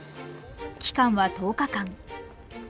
期間は１０日間。